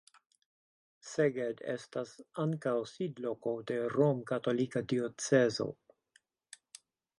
Szeged estas ankaŭ sidloko de romkatolika diocezo.